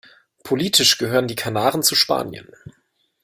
Politisch gehören die Kanaren zu Spanien.